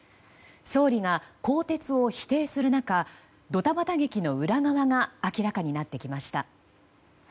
総理が更迭を否定する中ドタバタ劇の裏側が明らかになってきました。